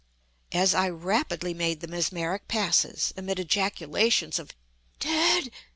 As I rapidly made the mesmeric passes, amid ejaculations of "dead!